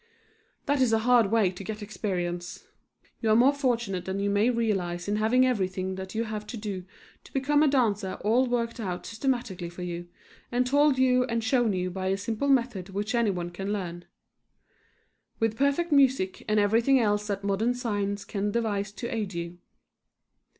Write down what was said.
That is a hard way to get experience. You are more fortunate than you may realize in having everything that you have to do to become a dancer all worked out systematically for you, and told you and shown you by a simple method which anyone can learn, with perfect music and everything else that modern science can devise to aid you.